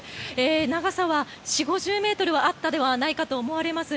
長さは４０５０ｍはあったのではないかと思われます。